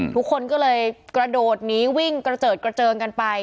ทุกคนก็เลยกระโดดหนีวิ่งกระเจิดกระเจิงกันไป